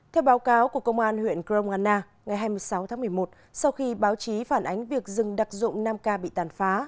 theo báo cáo của công an huyện grongana ngày hai mươi sáu tháng một mươi một sau khi báo chí phản ánh việc rừng đặc dụng nam ca bị tàn phá